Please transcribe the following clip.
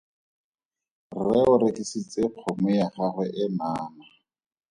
Rre o rekisitse kgomo ya gagwe e naana.